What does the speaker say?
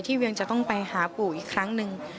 เวียงจะต้องไปหาปู่อีกครั้งหนึ่ง